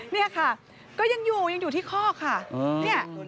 นี่ค่ะก็ยังอยู่ยังอยู่ที่คอกค่ะ